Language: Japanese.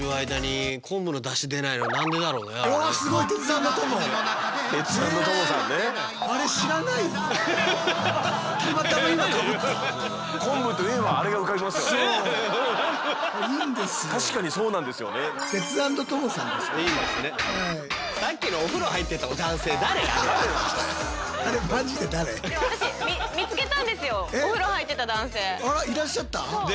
いらっしゃった？